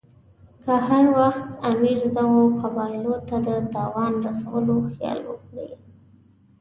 که هر وخت امیر دغو قبایلو ته د تاوان رسولو خیال وکړي.